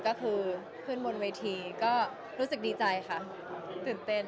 ก็คือขึ้นบนเวทีก็รู้สึกดีใจค่ะตื่นเต้น